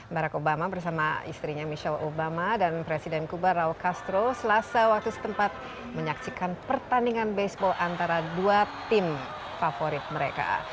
barack obama bersama istrinya michelle obama dan presiden kuba raul castro selasa waktu setempat menyaksikan pertandingan baseball antara dua tim favorit mereka